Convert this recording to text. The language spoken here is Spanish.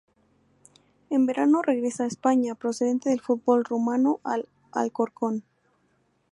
En verano regresa a España, procedente del fútbol Rumano al Alcorcón.